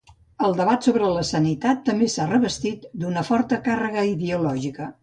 El debat sobre la sanitat també s'ha revestit d'una forta càrrega ideològica.